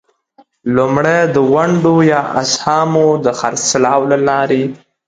لومړی: د ونډو یا اسهامو د خرڅلاو له لارې.